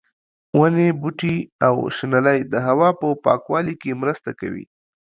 ونې، بوټي او شنېلی د هوا په پاکوالي کې مرسته کوي.